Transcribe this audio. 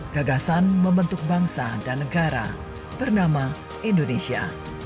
gagasan membentuk bangsa dan negara bernama indonesia